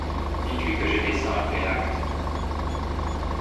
Dites-lui que je descends après l'acte.